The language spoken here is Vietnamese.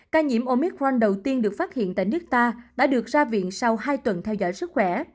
ca nhiễm omic fran đầu tiên được phát hiện tại nước ta đã được ra viện sau hai tuần theo dõi sức khỏe